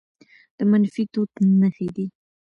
د منفي دود نښې دي